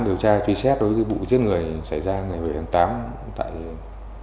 điều tra truy xét đối với vụ giết người xảy ra ngày bảy tháng tám